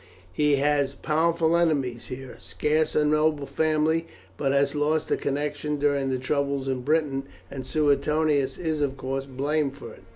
He has powerful enemies here; scarce a noble family but has lost a connection during the troubles in Britain, and Suetonius is of course blamed for it.